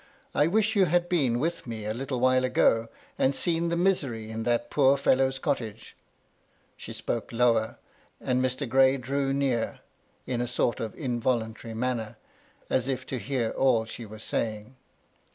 I wish you had been with me a little while ago, and seen the misery in that poor fellow's cottage." She spoke lower, and Mr. Gray drew near, in a sort of involuntary manner ; as if to D 3 58 MY LADY LUDLOW. • hear all she was saying.